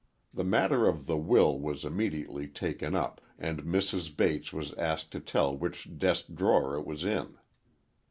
The matter of the will was immediately taken up, and Mrs. Bates was asked to tell which desk drawer it was in.